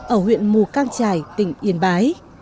ở huyện mù cang trải tỉnh yên bái